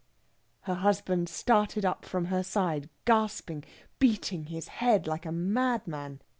Her husband started up from her side gasping, beating his head like a madman.